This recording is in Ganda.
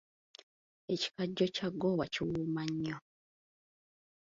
Ekikajjo kya ggoowa kiwooma nnyo.